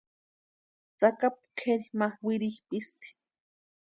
Tsakapu kʼeri ma wirhipʼisti.